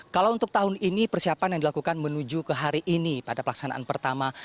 kalau untuk tahun ini persiapan yang dilakukan menuju ke hari ini pada pelaksanaan pertama